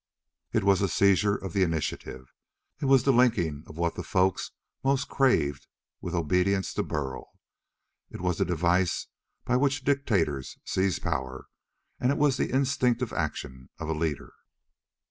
It was a seizure of the initiative. It was the linking of what the folk most craved with obedience to Burl. It was the device by which dictators seize power, and it was the instinctive action of a leader.